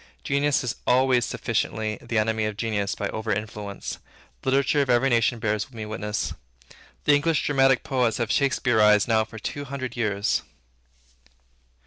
Genius is always sufficiently the enemy of genius by over influence. The literature of every nation bear me witness. The English dramatic poets have Shakspearized now for two hundred years.